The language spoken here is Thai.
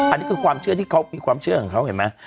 อันนี้คือความเชื่อที่เขามีความเชื่อของเขาเห็นไหม